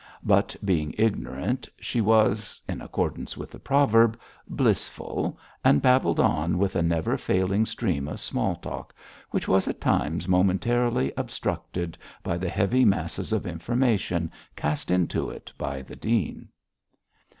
But being ignorant, she was in accordance with the proverb blissful, and babbled on with a never failing stream of small talk, which was at times momentarily obstructed by the heavy masses of information cast into it by the dean.